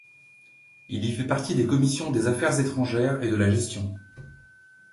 Il y fait partie des commissions des affaires étrangères et de la gestion.